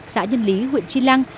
xã nhân lý huyện tri lăng